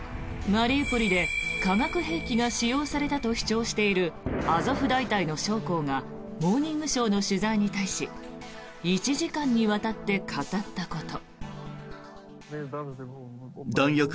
マリウポリで化学兵器が使用されたと主張しているアゾフ大隊の将校が「モーニングショー」の取材に対し１時間にわたって語ったこと。